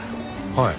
はい。